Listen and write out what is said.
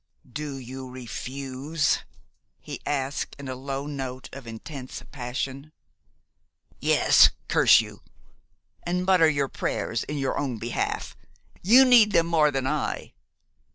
"Do you refuse?" he asked, in a low note of intense passion. "Yes, curse you! And mutter your prayers in your own behalf. You need them more than I."